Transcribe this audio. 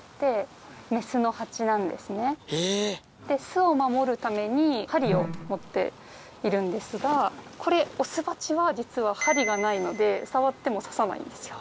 巣を守るために針を持っているんですがこれオスバチは実は針がないので触っても刺さないんですよ。